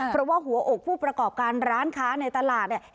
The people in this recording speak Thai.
เพราะว่าหัวอกผู้ประกอบการร้านค้าในตลาดเนี่ย